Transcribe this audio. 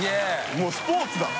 もうスポーツだ。